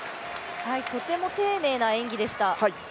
とても丁寧な演技でした。